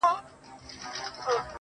o زما له ملا څخه په دې بد راځي.